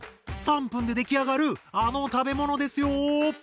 ３分で出来上がるあの食べ物ですよ！